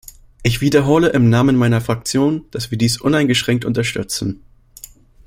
Ich wiederhole im Namen meiner Fraktion, dass wir dies uneingeschränkt unterstützen.